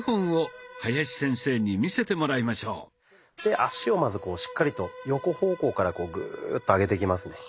脚をまずしっかりと横方向からグーッと上げていきますね。